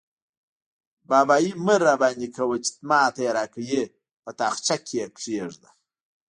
بابايي مه راباندې کوه؛ چې ما ته يې راکوې - په تاخچه کې يې کېږده.